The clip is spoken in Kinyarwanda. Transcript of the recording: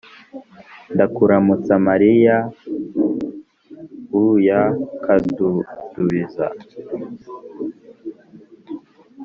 ndakuramutsa mariya uykadudubiza